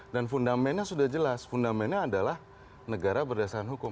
dan fundamentnya sudah jelas fundamentnya adalah negara berdasarkan hukum